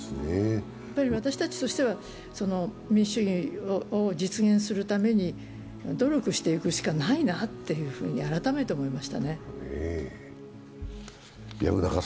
私たちとしては、民主主義を実現するために努力していくしかないなと改めて思いましたね。